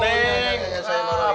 kayaknya saya marahin